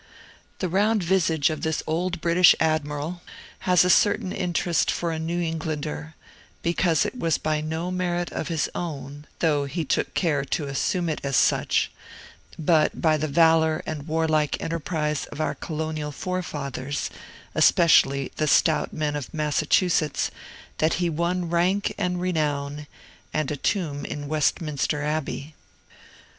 The round visage of this old British admiral has a certain interest for a New Englander, because it was by no merit of his own (though he took care to assume it as such), but by the valor and warlike enterprise of our colonial forefathers, especially the stout men of Massachusetts, that he won rank and renown, and a tomb in Westminster Abbey.